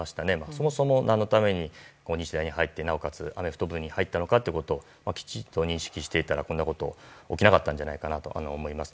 そもそも何のために日大に入ってなおかつアメフト部に入ったのかということをきちんと認識していたらこんなことは起こらなかったんじゃないかと思います。